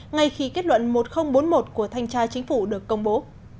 ngay khi kết luận một nghìn bốn mươi một của thanh tra chính phủ được công bố